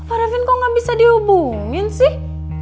apa davin kok gak bisa dihubungin sih